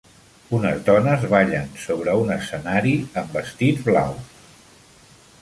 Unes dones ballen sobre un escenari amb vestits blaus.